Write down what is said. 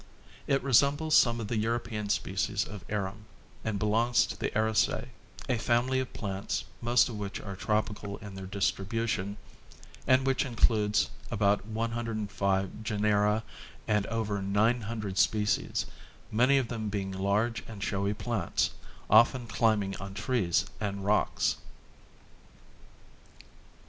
It resembles some of the European species of Arum and belongs to the Araceae, a family of plants, most of which are tropical in their distribution and which includes about 105 genera and over 900 species, many of them being large and showy plants often climbing on trees and rocks.